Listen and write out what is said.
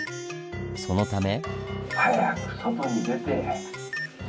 そのため。